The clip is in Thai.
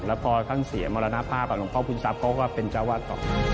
แล้วพอท่านเสียมรณภาพหลวงพ่อคุณทรัพย์เขาก็เป็นเจ้าวาดต่อ